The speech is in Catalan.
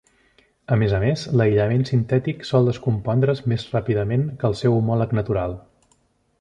A més a més, l'aïllament sintètic sol descompondre's més ràpidament que el seu homòleg natural.